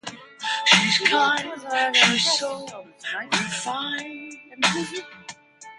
Pinette was a regular guest on "The Tonight Show" and "The View".